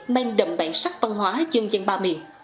mang đậm bản sắc văn hóa dân gian ba miền